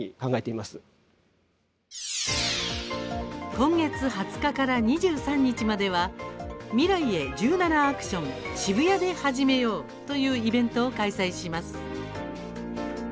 今月２０日から２３日までは「未来へ１７ａｃｔｉｏｎ渋谷ではじめよう」というイベントを開催します。